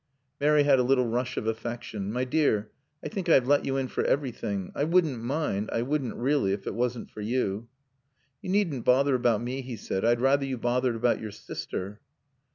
Mary had a little rush of affection. "My dear I think I've let you in for everything. I wouldn't mind I wouldn't really if it wasn't for you." "You needn't bother about me," he said. "I'd rather you bothered about your sister."